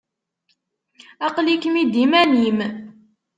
Aql-ikem-id iman-im.